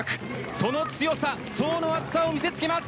その強さ、層の厚さを見せつけます。